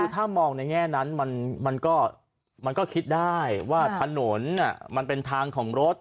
คือถ้ามองในแง่นั้นมันก็คิดได้ว่าถนนมันเป็นทางของรถ